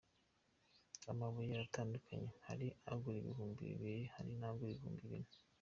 Amabuye aratandukanye hari agura ibihumbi bibiri hari n’agura ibihumbi bine.